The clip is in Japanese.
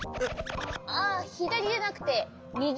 あひだりじゃなくてみぎ。